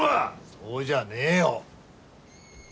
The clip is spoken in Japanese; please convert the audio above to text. そうじゃねえよ。